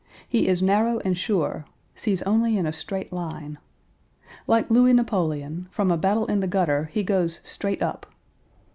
He is narrow and sure sees only in a straight line. Like Louis Napoleon, from a battle in the gutter, he goes straight up.